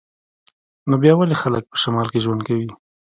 نو بیا ولې خلک په شمال کې ژوند کوي